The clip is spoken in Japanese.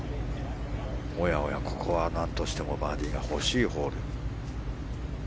ここはなんとしてもバーディーが欲しいホール。